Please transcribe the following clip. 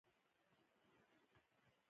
د مازلو د نظریې پر اساس ده.